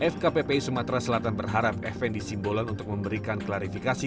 fkppi sumatera selatan berharap fnd simbolon untuk memberikan klarifikasi